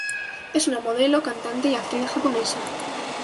Es una modelo, cantante y actriz japonesa.